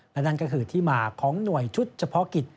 และนั่นก็คือที่มาของหน่วยชุดเฉพาะกิจ